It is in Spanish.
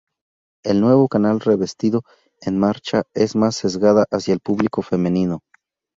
El nuevo canal revestido en marcha es más sesgada hacia el público femenino.